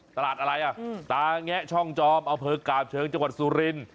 ตลาดอะไรอ่ะตาแงะช่องจอมอำเภอกาบเชิงจังหวัดสุรินทร์